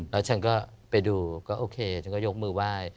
แล้วฉันก็ไปดูก็โอเคฉันก็ยกมือไหว้